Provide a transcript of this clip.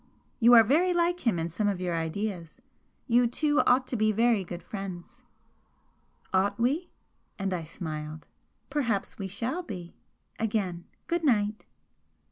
You are very like him in some of your ideas you two ought to be very great friends." "Ought we?" and I smiled "Perhaps we shall be! Again, Good night!"